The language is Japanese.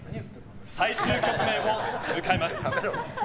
最終局面を迎えます。